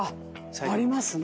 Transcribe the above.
ありますね。